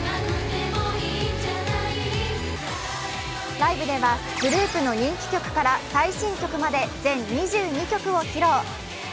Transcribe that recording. ライブでは、グループの人気曲から最新曲まで全２２曲を披露。